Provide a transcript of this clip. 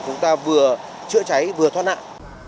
chúng ta vừa chữa cháy vừa thoát nạn